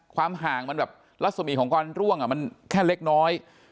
ความห่างมันแบบลักษณ์สมียของก้อนร่วงมันแค่เล็กน้อย